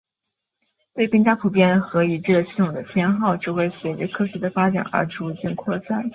对更加普遍和一致的系统的偏好只会随着科学的发展而逐渐扩散。